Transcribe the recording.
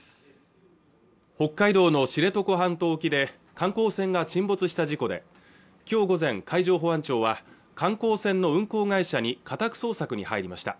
北海道の知床半島沖で観光船が沈没した事故で今日午前海上保安庁は観光船の運航会社に家宅捜索に入りました